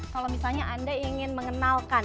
kalau misalnya anda ingin mengenalkan